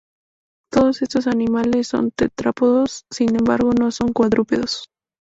Todos estos animales son tetrápodos, sin embargo no son cuadrúpedos.